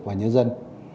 và nhân dân